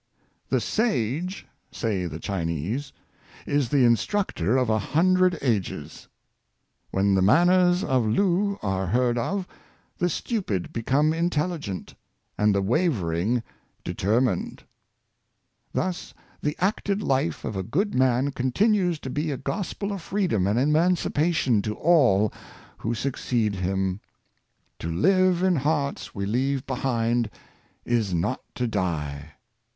" The sage," say the Chinese, " is the instructor of a hundred ages. When the manners of Loo are heard of, the stupid become intelligent, and the wavering deter mined." Thus the acted Hfe of a good man continues to be a gospel of freedom and emancipation to all who succeed him: " To live in hearts we leave behind, Is not to die."